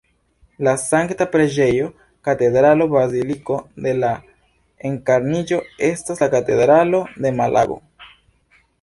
La Sankta Preĝejo Katedralo Baziliko de la Enkarniĝo estas la katedralo de Malago.